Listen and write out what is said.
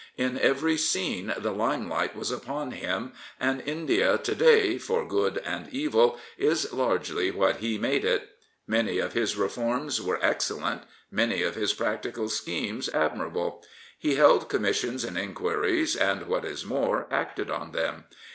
In every scene the limelight was upon him, and India to day, for good and evil, is largely what he made it. Many of his reforms were excellent, many of his practical schemes admirable. He held Commissions and inquiries, and, what is more, acted on them.